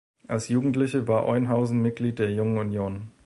Als Jugendliche war Oeynhausen Mitglied der Jungen Union.